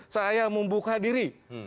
saya membuka diri